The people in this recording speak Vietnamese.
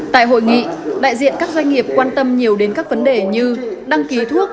tại hội nghị đại diện các doanh nghiệp quan tâm nhiều đến các vấn đề như đăng ký thuốc